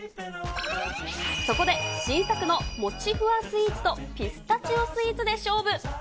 そこで新作のもちふわスイーツと、ピスタチオスイーツで勝負。